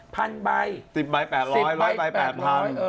พันใบ๑๐ใบ๘๐๐ร้อยใบ๘พันเออ